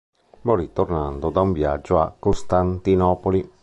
Morì tornando da un viaggio a Costantinopoli.